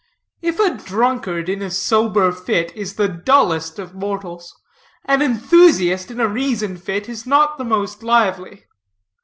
If a drunkard in a sober fit is the dullest of mortals, an enthusiast in a reason fit is not the most lively.